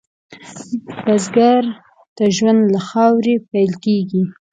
بزګر ته ژوند له خاورې پېل کېږي